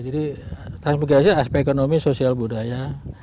jadi transmigrasia aspek ekonomi sosial budaya